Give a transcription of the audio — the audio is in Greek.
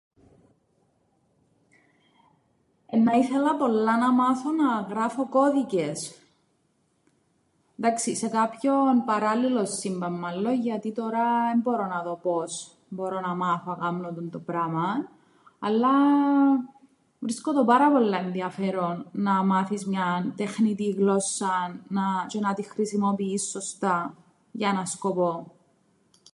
Εννά ήθελα πολλά να μάθω να γράφω κώδικες, ‘ντάξει σε κάποιον παράλληλον σύμπαν μάλλον, γιατί τωρά εν μπορώ να δω πώς μπορώ να μάθω να κάμνω τούντο πράμαν, αλλά βρίσκω το πάρα πολλά ενδιαφέρον να μάθεις μιαν τεχνητήν γλώσσαν, να-, τζ̌αι να την χρησιμοποιείς σωστά για έναν σκοπόν.